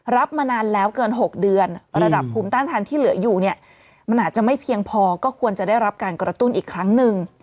รับมานานแล้วเกิน๖เดือนระดับภูมิต้านทานที่เหลืออยู่เนี่ยมันอาจจะไม่เพียงพอก็ควรจะได้รับการกระตุ้นอีกครั้งหนึ่ง